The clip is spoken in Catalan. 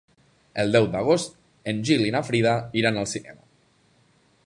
El deu d'agost en Gil i na Frida iran al cinema.